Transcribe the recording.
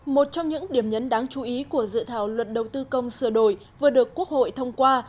một trong những điểm nhấn đáng chú ý của dự thảo luật đầu tư công sửa đổi vừa được quốc hội thông qua